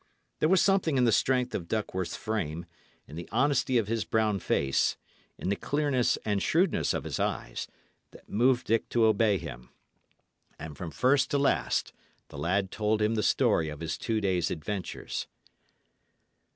There was something in the strength of Duckworth's frame, in the honesty of his brown face, in the clearness and shrewdness of his eyes, that moved Dick to obey him; and from first to last the lad told him the story of his two days' adventures.